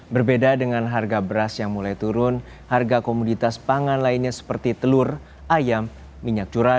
berbeda dengan harga beras yang mulai turun harga komoditas pangan lainnya seperti telur ayam minyak curah